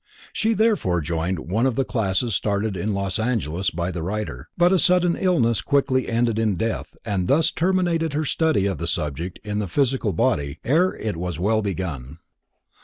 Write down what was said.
She therefore joined one of the classes started in Los Angeles by the writer, but a sudden illness quickly ended in death and thus terminated her study of the subject in the physical body, ere it was well begun.